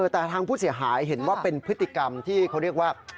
แต่ทางผู้เสียหายเห็นว่าเป็นพฤติกรรมที่เขาเรียกว่า